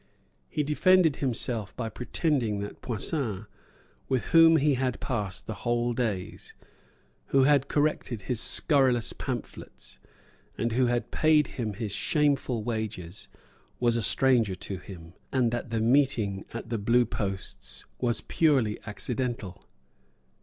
He defended himself by pretending that Poussin, with whom he had passed whole days, who had corrected his scurrilous pamphlets, and who had paid him his shameful wages, was a stranger to him, and that the meeting at the Blue Posts was purely accidental.